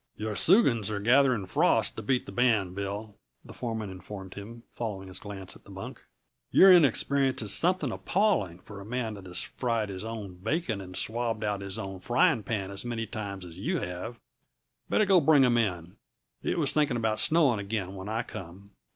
"Your soogans are gathering frost to beat the band, Bill," the foreman informed him, following his glance to the bunk. "Your inexperience is something appalling, for a man that has fried his own bacon and swabbed out his own frying pan as many times as you have. Better go bring 'em in. It was thinking about snowing again when I come."